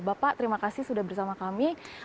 bapak terima kasih sudah bersama kami